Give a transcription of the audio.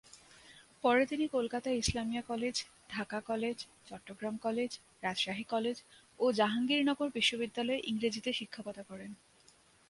পরে তিনি Kolkata Islamia college, Dhaka college, Chittagong college, Rajshahi college ও জাহাঙ্গীরনগর বিশ্ববিদ্যালয়ে ইংরেজিতে শিক্ষকতা করেন।